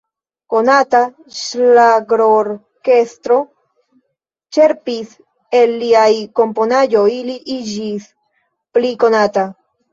Konata ŝlagrorkestro ĉerpis el liaj komponaĵoj, li iĝis pli konata.